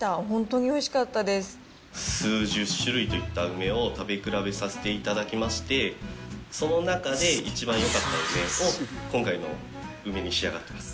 数十種類といった梅を食べ比べさせていただきまして、その中で一番よかった梅を、今回の梅に仕上がってます。